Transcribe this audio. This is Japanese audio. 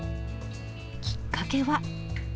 きっかけは。